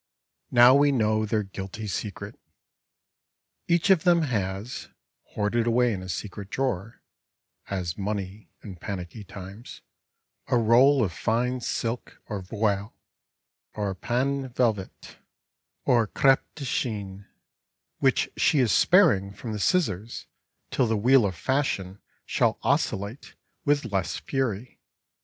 Now we know their guilty secret. Each of them has, hoarded away in a secret drawer (as money in panicky times) a roll of fine silk or voile, or panne velvet, or crepe de chine which she is sparing from the scissors till the Wheel of Fashion shall oscillate with less fury.